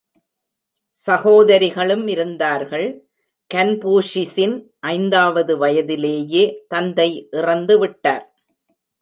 சகோதரிகளும் இருந்தார்கள், கன்பூஷிஸின் ஐந்தாவது வயதிலேயே தந்தை இறந்து விட்டார்.